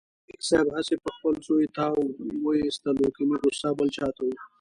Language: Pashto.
ملک صاحب هسې په خپل زوی تاو و ایستلو کني غوسه بل چاته و.